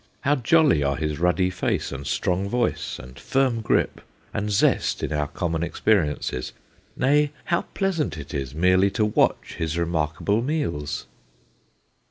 How jolly are his ruddy face and strong voice and firm grip and zest in our common experiences nay, how pleasant it is merely to watch his remarkable meals